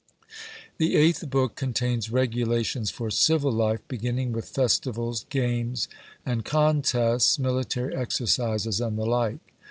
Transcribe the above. The eighth book contains regulations for civil life, beginning with festivals, games, and contests, military exercises and the like.